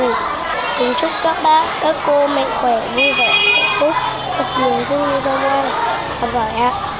mình xin mời các bác học giỏi